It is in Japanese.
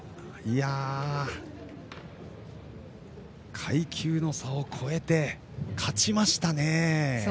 階級の差を超えて勝ちましたね。